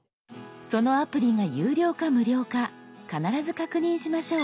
そのアプリが有料か無料か必ず確認しましょう。